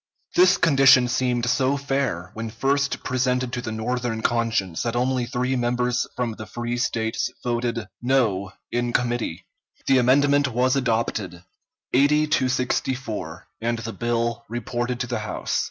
This condition seemed so fair, when first presented to the Northern conscience, that only three members from the free States voted "no" in committee. The amendment was adopted eighty to sixty four and the bill reported to the House.